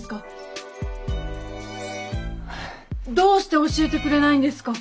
どうして教えてくれないんですか？